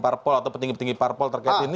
parpol atau petinggi petinggi parpol terkait ini